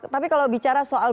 tapi kalau bicara soal